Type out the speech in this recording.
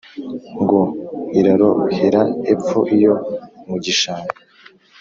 Ngo : "Irarohera epfo iyo mu gishanga!